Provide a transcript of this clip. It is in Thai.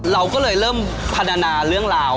เราก็เลยเริ่มพัฒนาเรื่องราว